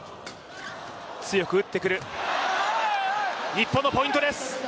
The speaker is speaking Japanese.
日本のポイントです。